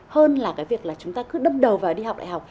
hơn là cái việc là chúng ta cứ đâm đầu vào đi học đại học